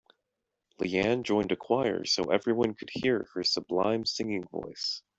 Leanne joined a choir so everyone could hear her sublime singing voice.